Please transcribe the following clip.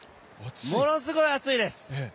ものすごい熱いです。